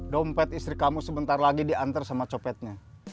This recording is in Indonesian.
dompet istri kamu sebentar lagi diantar sama copetnya